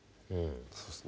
そうですね。